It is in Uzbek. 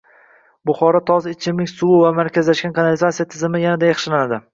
Buxoro toza ichimlik suvi va markazlashgan kanalizatsiya tizimi yanada yaxshilanadi